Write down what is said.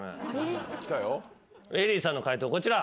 恵里さんの解答こちら。